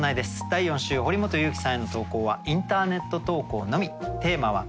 第４週堀本裕樹さんへの投稿はインターネット投稿のみ。